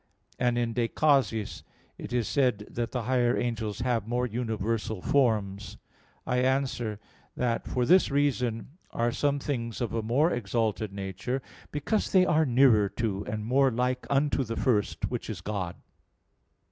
And in De Causis it is said that the higher angels have more universal forms. I answer that, For this reason are some things of a more exalted nature, because they are nearer to and more like unto the first, which is God.